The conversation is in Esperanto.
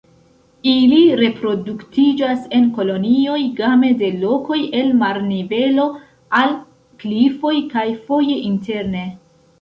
Ili reproduktiĝas en kolonioj game de lokoj el marnivelo al klifoj, kaj foje interne.